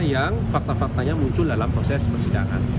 yang fakta faktanya muncul dalam proses persidangan